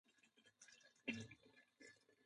احمد بې ځايه علي ته خوله چينګه چینګه کوي.